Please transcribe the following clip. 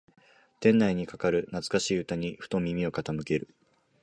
店内にかかる懐かしい歌にふと耳を傾ける